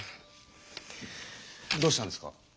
どうしたんですか？